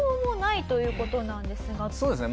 そうですね